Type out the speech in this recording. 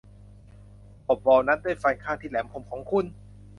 ขบวอลนัทด้วยฟันข้างที่แหลมคมของคุณ